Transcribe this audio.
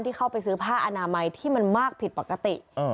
เข้าไปซื้อผ้าอนามัยที่มันมากผิดปกติ